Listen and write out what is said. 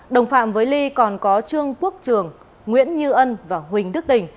đồng phạm với ly còn có trương quốc trường nguyễn như ân và huỳnh đức tình